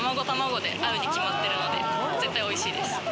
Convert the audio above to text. で合うに決まってるので絶対おいしいです。